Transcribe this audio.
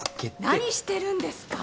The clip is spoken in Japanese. ・何してるんですか！？